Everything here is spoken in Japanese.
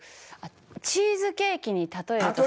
チーズケーキに例えたと。